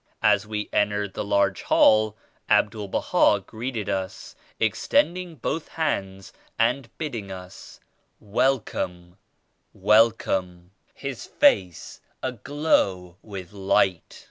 As we entered the large hall Abdul Baha greeted us, extending both hands and bidding us "Welcome! Welcome!" his face aglow with light.